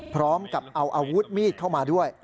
พร้อมกับเอาอาวุธมีดเข้ามาด้วย